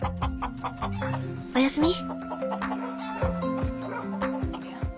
おやすみ。